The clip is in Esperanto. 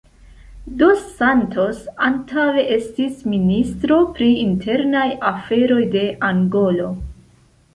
Dos Santos antaŭe estis ministro pri internaj aferoj de Angolo.